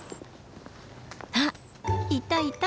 あっいたいた！